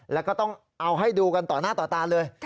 แล้วก็ต้องเอาให้ดูกันต่อหน้าต่อตาเลย